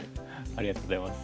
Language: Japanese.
ありがとうございます。